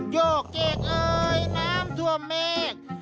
โยเกกเอ๊ยน้ำถั่วเมฆ